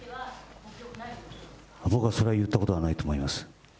僕はそれは言ったことはないと思います。